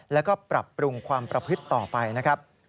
แล้วก็ปรับปรุงความประพฤติต่อไปนะครับ